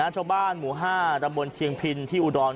ชาวบ้านหมู่๕ตำบลเชียงพินที่อุดร